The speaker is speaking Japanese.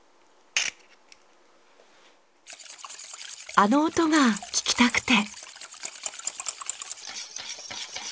あの音が聞きたくて。